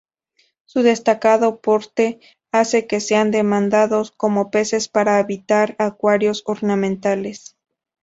Su destacado porte hace que sean demandados como peces para habitar acuarios ornamentales.